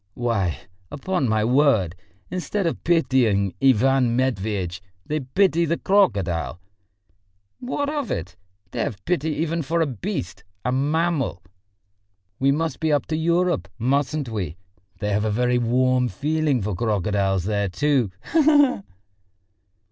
"Why, upon my word! Instead of pitying Ivan Matveitch, they pity the crocodile!" "What of it? They have pity even for a beast, a mammal. We must be up to Europe, mustn't we? They have a very warm feeling for crocodiles there too. He he he!"